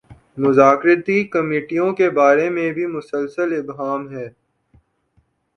مذاکرتی کمیٹیوں کے بارے میں بھی مسلسل ابہام ہے۔